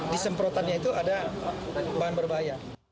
disemprotannya itu ada bahan berbahaya